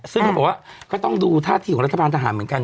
ซึ่งเขาบอกว่าเขาต้องดูท่าถิวระธบาลทหารเหมือนกัน